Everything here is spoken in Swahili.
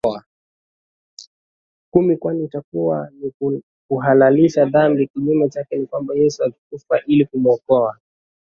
kumi kwani itakuwa ni kuhalalisha dhambi Kinyume chake ni kwamba Yesu alikufa ili kumwokoa